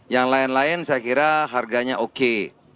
yang lain lain saya kira harganya oke